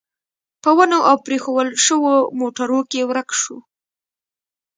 په ونو او پرېښوول شوو موټرو کې ورک شو.